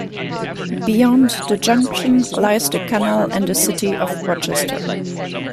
Beyond the junction lies the canal and the city of Rochester.